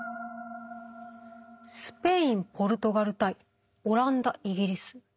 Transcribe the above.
スペインポルトガル対オランダイギリス。